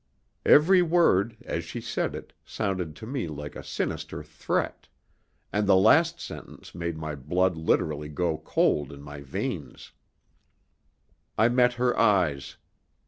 Every word, as she said it, sounded to me like a sinister threat, and the last sentence made my blood literally go cold in my veins. I met her eyes.